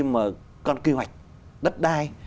mà con kế hoạch đất đai